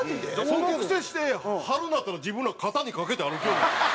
そのくせして春になったら自分ら肩にかけて歩きよる。